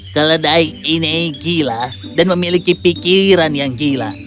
keledai ini gila dan memiliki pikiran yang gila